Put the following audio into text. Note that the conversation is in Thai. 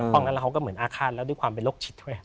เพราะงั้นแล้วเขาก็เหมือนอาฆาตแล้วด้วยความเป็นโรคจิตด้วย